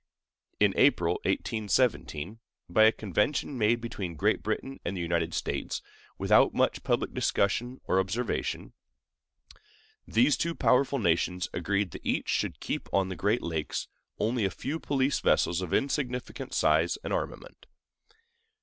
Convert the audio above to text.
In April, 1817, by a convention made between Great Britain and the United States, without much public discussion or observation, these two powerful nations agreed that each should keep on the Great Lakes only a few police vessels of insignificant size and armament.